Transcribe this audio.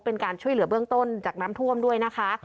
เป็นการช่วยเหลือเบื้องต้นจากน้ำท่วมด้วยนะคะ